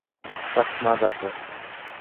تخت ما درکړ.